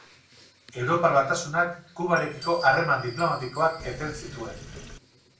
Europar Batasunak Kubarekiko harreman diplomatikoak eten zituen